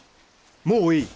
もういい。